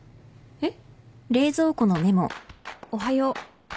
えっ？